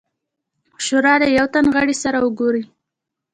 شورا له یوه تن غړي سره وګوري.